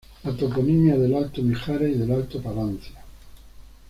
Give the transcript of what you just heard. La toponimia del Alto Mijares y del Alto Palancia.